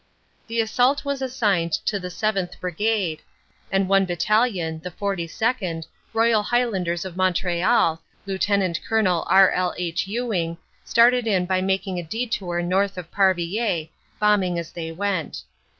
The assault was assigned to the 7th. Brigade, and one bat talion, the 42nd., Royal Highlanders of Montreal, Lt. Col. R. L. H. Ewing, started in by making a detour north of Parvil lers, bombing as they went.